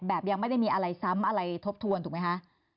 ยังไม่ได้มีอะไรซ้ำอะไรทบทวนถูกไหมคะ